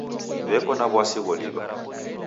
W'eko na w'asi gholiw'a.